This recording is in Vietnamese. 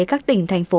các tỉnh thành phố